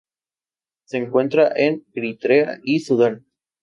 Se encuentra en Eritrea y Sudán.